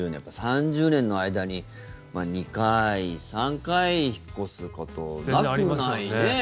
３０年の間に２回、３回引っ越すことなくないね。